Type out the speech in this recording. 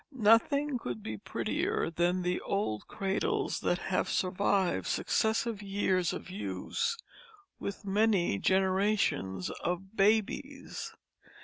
Nothing could be prettier than the old cradles that have survived successive years of use with many generations of babies.